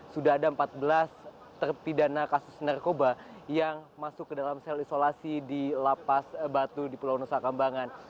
sudah ada empat belas terpidana kasus narkoba yang masuk ke dalam sel isolasi di lapas batu di pulau nusa kambangan